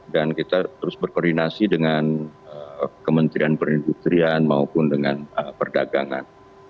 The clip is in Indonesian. dan kita terus berkoordinasi dengan kementerian perindustrian maupun dengan perdagangan